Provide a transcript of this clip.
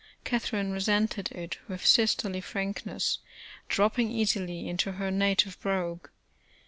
Catherine resented it with sisterly frankness, dropping easily into her native brogue.